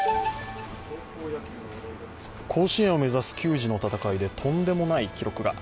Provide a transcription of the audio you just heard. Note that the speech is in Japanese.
甲子園を目指す球児の戦いでとんでもない記録が。